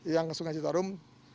yang ke sungai citarum